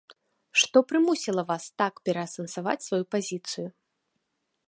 Што прымусіла вас так пераасэнсаваць сваю пазіцыю?